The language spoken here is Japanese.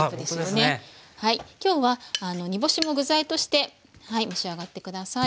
今日は煮干しも具材として召し上がって下さい。